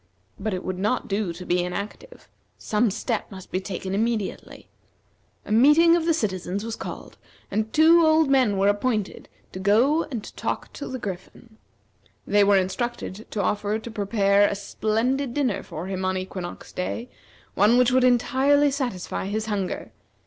But it would not do to be inactive. Some step must be taken immediately. A meeting of the citizens was called, and two old men were appointed to go and talk to the Griffin. They were instructed to offer to prepare a splendid dinner for him on equinox day, one which would entirely satisfy his hunger.